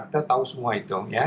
kita tahu semua itu